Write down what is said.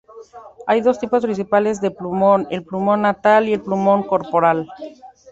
Hay dos tipos principales de plumón: el plumón natal y el plumón corporal.